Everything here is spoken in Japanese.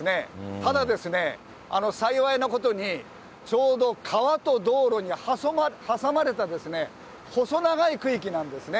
ただですね、幸いなことにちょうど川と道路に挟まれた細長い区域なんですね。